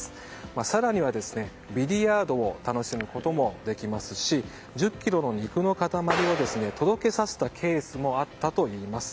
更にはビリヤードを楽しむこともできますし１０ｋｇの肉の塊を届けさせたケースもあったといいます。